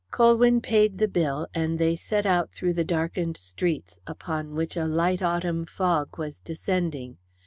Colwyn paid the bill, and they set out through the darkened streets, upon which a light autumn fog was descending.